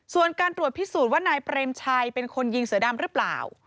ส่วนการตรวจพิสูจน์ว่านายเปรมชัยเป็นคนยิงเสือดำหรือเปล่า